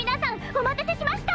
おまたせしました！